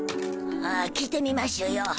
ああ聞いてみましゅよ。